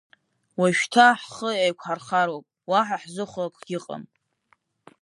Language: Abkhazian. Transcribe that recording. Уажәшьҭа ҳхы еиқәҳархароуп, уаҳа ҳзыхәо акгьы ыҟам…